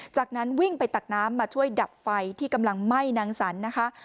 จากนั้นวิ่งไปตักน้ำมาช่วยดับไฟที่กำลังไหม้นางสันนะคะ